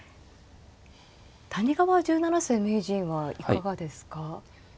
谷川十七世名人はいかがですか。